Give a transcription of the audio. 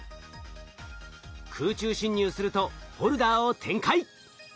空中侵入するとホルダーを展開。